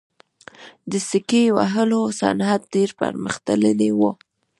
د سکې وهلو صنعت ډیر پرمختللی و